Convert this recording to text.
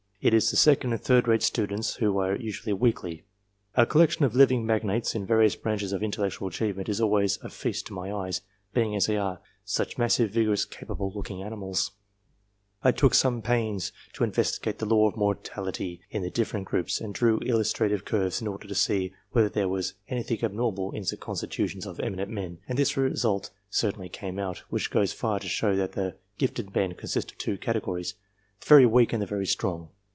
It is the second and third rate students who are usually weakly. A collection of living magnates in various branches of intellectual achievement is always a feast to my eyes ; being, as they are, such massive, vigor ous, capable looking animals. I took some pains to investigate the law of mortality in Y 322 COMPARISON OF RESULTS the different groups, and drew illustrative curves in order to see whether there was anything abnormal in the con stitutions of eminent men, and this result certainly came out, which goes far to show that the gifted men consist of two categories the very weak and the very strong.